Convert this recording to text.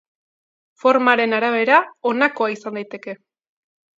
Formaren arabera honakoa izan daiteke.